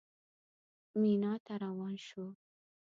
مینا ته روان شوو.